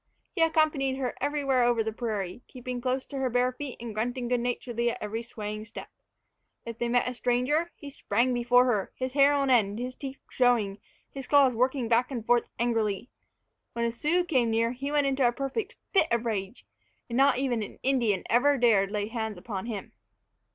He accompanied her everywhere over the prairie, keeping close to her bare feet and grunting good naturedly at every swaying step. If they met a stranger, he sprang before her, his hair on end, his teeth showing, his claws working back and forth angrily. When a Sioux came near, he went into a perfect fit of rage; and not an Indian ever dared lay hands upon him.